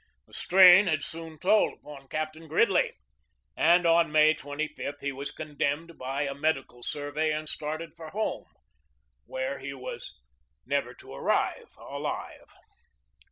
The strain had soon told upon Captain Gridley, and on May 25 he was condemned by a medical survey and started for home, where he was never to arrive alive.